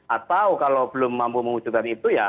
atau kalau belum mampu mewujudkan itu ya